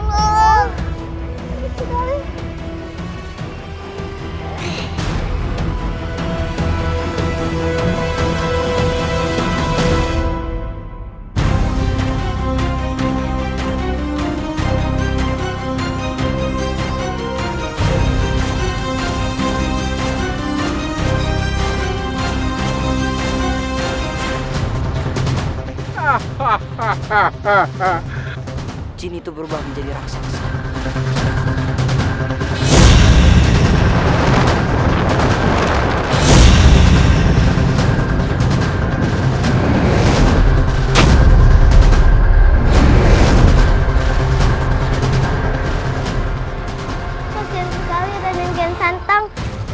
mas jangan sekali ada nengken santang